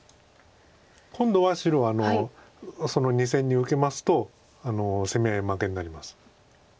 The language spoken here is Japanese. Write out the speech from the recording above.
今度は白２線に受けますと攻め合い負けになります。